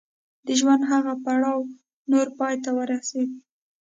د ژوند هغه پړاو نور پای ته ورسېد.